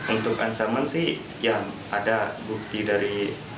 untuk ancaman sih ya ada bukti dari